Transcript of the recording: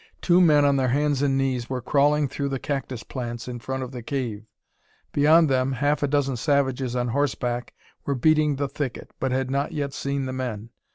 Two men on their hands and knees were crawling through the cactus plants in front of the cave. Beyond them half a dozen savages on horseback were beating the thicket, but had not yet seen the men.